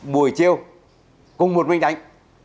buổi chiều cùng một mình đánh